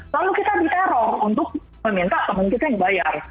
lalu kita diteror untuk meminta teman kita yang bayar